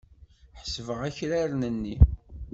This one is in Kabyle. Ḥesbeɣ akraren-nni.